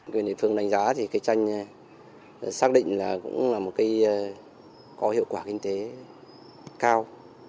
quyền địa phương đánh giá thì cây chanh xác định là cũng là một cây có hiệu quả kinh tế cao